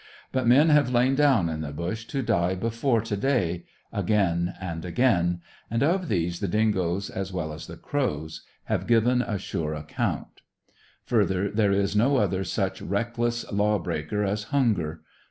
But men have lain down in the bush to die before to day, again and again; and of these the dingoes, as well as the crows, have given a sure account. Further, there is no other such reckless law breaker as hunger.